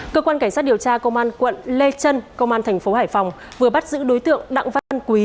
cơ quan cảnh sát điều tra công an quận lê trân công an thành phố hải phòng vừa bắt giữ đối tượng đặng văn quý